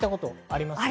あります。